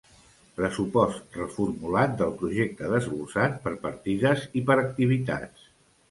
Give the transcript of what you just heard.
Pressupost reformulat del projecte desglossat per partides i per activitats.